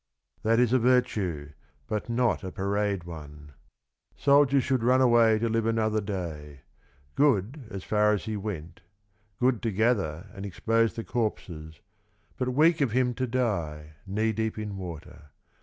That is a virtue, but not a parade one. Soldiers should run away to live another day. Good as far as he went. Good to gather and expose the corpses, but weak of him to die, knee deep in water.